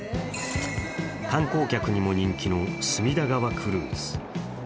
観光客にも人気の隅田川クルーズ。